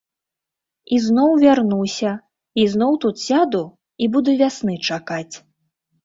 Ізноў вярнуся, ізноў тут сяду і буду вясны чакаць.